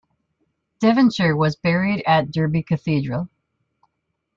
Devonshire was buried at Derby Cathedral.